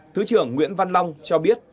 thứ trưởng nguyễn văn long cho biết